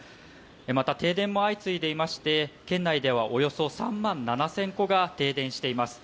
また停電も相次いでいまして、県内ではおよそ３万７０００戸が停電しています。